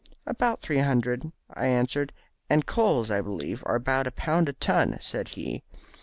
'About three hundred,' I answered. 'And coals, I believe, are at about a pound a ton', said he.